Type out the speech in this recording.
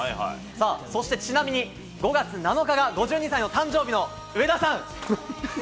さあ、そしてちなみに５月７日が５２歳の誕生日の上田さん。